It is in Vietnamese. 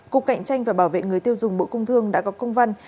cục cạnh tranh và bảo vệ người tiêu dùng mũ công thương đã góp công văn